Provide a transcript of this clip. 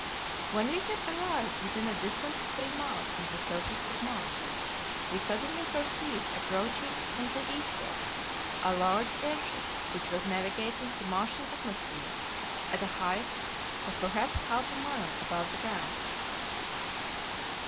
When we had arrived within a distance of three miles from the surface of Mars we suddenly perceived approaching from the eastward a large airship which was navigating the Martian atmosphere at a height of perhaps half a mile above the ground.